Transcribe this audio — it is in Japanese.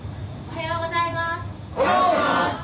おはようございます！